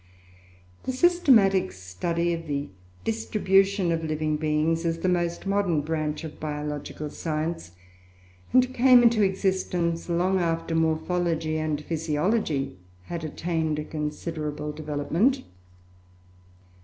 The systematic study of the Distribution of living beings is the most modern branch of Biological Science, and came into existence long after Morphology and Physiology had attained a considerable development.